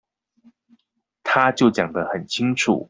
他就講得很清楚